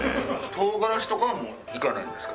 唐辛子とかは行かないんですか？